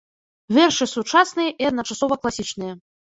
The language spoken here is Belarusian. Вершы сучасныя і адначасова класічныя.